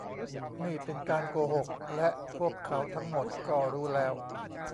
นี่เป็นการโกหก และพวกเขาทั้งหมดก็รู้แล้ว